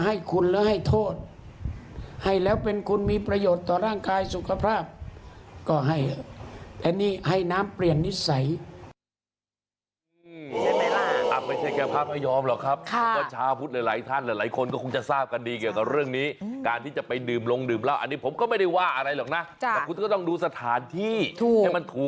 ให้พระพยอมท่านเทศให้เราฟังเลยนะครับ